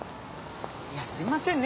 いやすみませんね